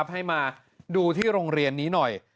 ให้มาดูที่โรงเรียนนี้หน่อย